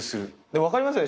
分かりますよね？